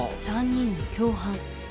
３人の共犯。